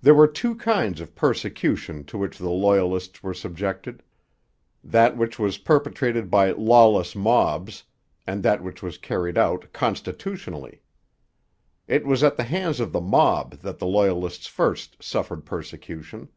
There were two kinds of persecution to which the Loyalists were subjected that which was perpetrated by 'lawless mobs,' and that which was carried out 'constitutionally.' It was at the hands of the mob that the Loyalists first suffered persecution.